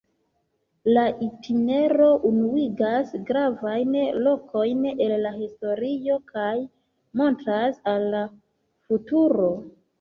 La itinero unuigas gravajn lokojn el la historio kaj montras al la futuro.